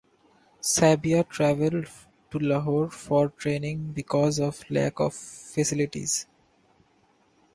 Sabia travelled to Lahore for training because of lack of facilities.